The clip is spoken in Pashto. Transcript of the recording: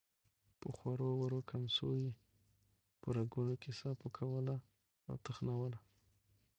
په خورو ورو کمڅو يې په رګونو کې ساه پوکوله او تخنوله.